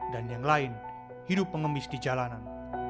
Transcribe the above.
dan yang lain hidup pengemis di jalanan